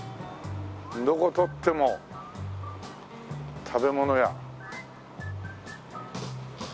どことっても食べ物屋。